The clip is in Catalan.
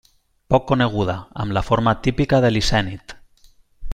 Poc coneguda; amb la forma típica de licènid.